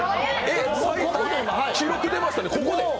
記録出ましたね、ここで？